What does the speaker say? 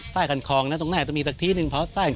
ใส้กันคองนั้นตรงนั้นจะมีสักทีหนึ่งเพราะว่าไส้กัน